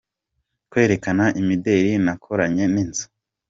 Kwerekana imideli nakoranye n’inzu.